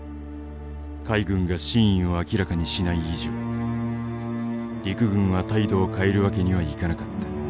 海軍が真意を明らかにしない以上陸軍は態度を変えるわけにはいかなかった。